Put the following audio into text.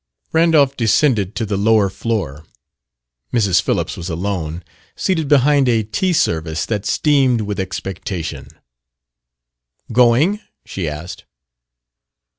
Randolph descended to the lower floor. Mrs. Phillips was alone, seated behind a tea service that steamed with expectation. "Going?" she asked.